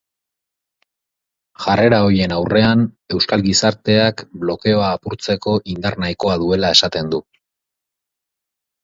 Jarrera horien aurrean, euskal gizarteak blokeoa apurtzeko indar nahikoa duela esaten du.